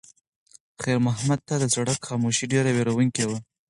خیر محمد ته د سړک خاموشي ډېره وېروونکې وه.